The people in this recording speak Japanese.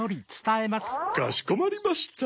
かしこまりました。